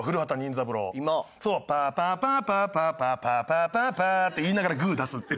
「パパパパパパパパパパ」って言いながらグー出すっていう。